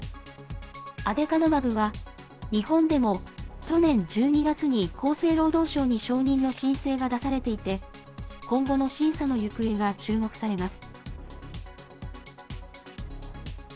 アデュカヌマブは、日本でも、去年１２月に、厚生労働省に承認の申請が出されていて、今後の審査の行方が注目されます。